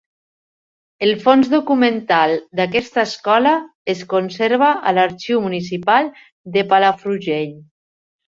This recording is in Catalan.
El fons documental d'aquesta escola es conserva a l'Arxiu Municipal de Palafrugell.